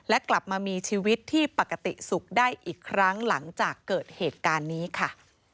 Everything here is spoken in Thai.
และกลับมามีชีวิตที่ปกติสุขได้อีกครั้งหลังจากเกิดเหตุการณ์นี้ค่ะ